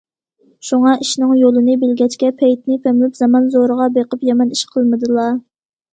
شۇڭا ئىشنىڭ يولىنى بىلگەچكە پەيتنى پەملەپ زامان زورىغا بېقىپ يامان ئىش قىلمىدىلا.